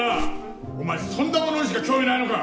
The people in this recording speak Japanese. お前そんなものにしか興味ないのか！